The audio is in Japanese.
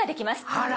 あら！